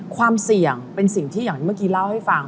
ความเสี่ยงเป็นสิ่งที่อย่างเมื่อกี้เล่าให้ฟัง